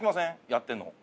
やってるの。